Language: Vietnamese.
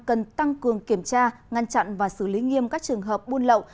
cần tăng cường kiểm tra ngăn chặn và xử lý nghiêm các trường hợp buôn lậu